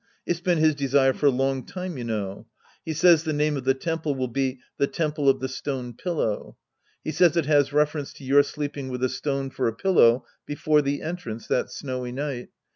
It's been his desire for a long time, you know. He says the name of the temple will be, " The Temple of the Stone Pillow." He says it has reference to your sleeping with a stone for a pillow before the entrance that snowy night.